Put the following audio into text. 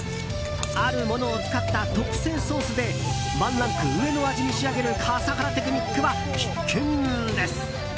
あるものを使った特製ソースでワンランク上の味に仕上げる笠原テクニックは必見です。